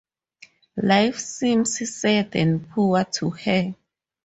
Life seems sad and poor to her.